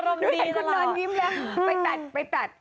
หนูเห็นคุณนอนยิ้มแล้วล่ะไปตัดไปตัด